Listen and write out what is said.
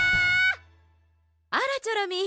あらチョロミー。